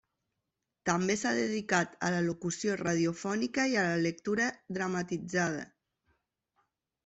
També s’ha dedicat a la locució radiofònica i a la lectura dramatitzada.